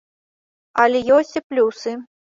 Але ёсць і плюсы.